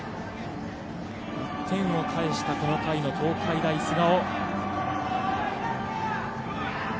１点を返したこの回の東海大菅生。